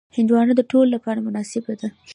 هندوانه د ټولو لپاره مناسبه ده.